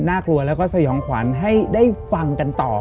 กลัวแล้วก็สยองขวัญให้ได้ฟังกันต่อ